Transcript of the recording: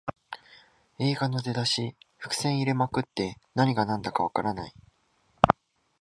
映画の出だし、伏線入れまくって何がなんだかわからない